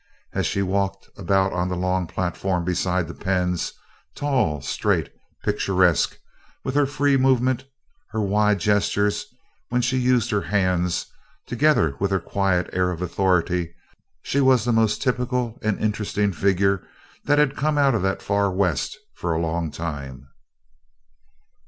As she walked about on the long platform beside the pens, tall, straight, picturesque, with her free movements, her wide gestures when she used her hands, together with her quiet air of authority, she was the most typical and interesting figure that had come out of the far west for a long time.